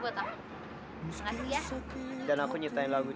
beneran aku tidak sangka kalau kamu menciptakan lagunya